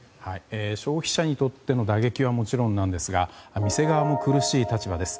消費者にとっての打撃はもちろんなんですが店側も苦しい立場です。